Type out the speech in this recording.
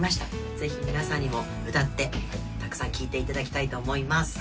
ぜひ皆さんにも歌ってたくさん聴いていただきたいと思います